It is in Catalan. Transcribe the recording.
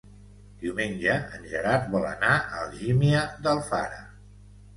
Diumenge en Gerard vol anar a Algímia d'Alfara.